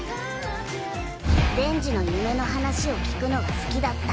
デンジの夢の話を聞くのが好きだった。